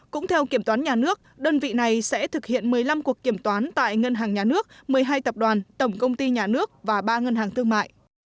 cũng theo kiểm toán nhà nước đơn vị này sẽ thực hiện một mươi năm cuộc kiểm toán tại ngân hàng nhà nước một mươi hai tập đoàn tổng công ty nhà nước và ba ngân hàng thương mại